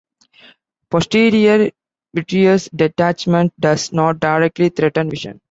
Posterior vitreous detachment does not directly threaten vision.